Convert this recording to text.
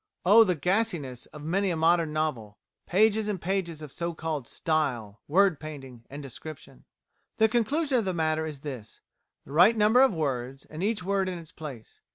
Oh, the "gasiness" of many a modern novel pages and pages of so called "style," "word painting," and "description." The conclusion of the matter is this: the right number of words, and each word in its place.